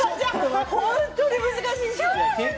本当に難しいんですよ。